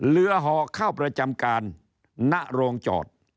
ห่อเข้าประจำการณโรงจอด